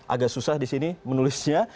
agak susah di sini menulisnya